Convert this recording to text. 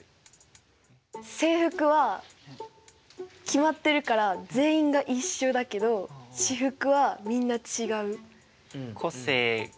制服は決まってるから全員が一緒だけど私服はみんな違う。